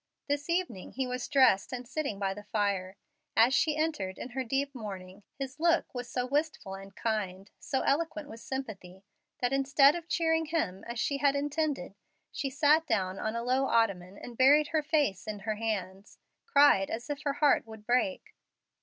This evening he was dressed and sitting by the fire. As she entered, in her deep mourning, his look was so wistful and kind, so eloquent with sympathy, that instead of cheering him, as she had intended, she sat down on a low ottoman, and burying her face in her hands, cried as if her heart would break.